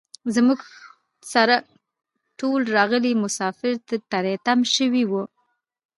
زموږ سره ټول راغلي مسافر تري تم شوي وو.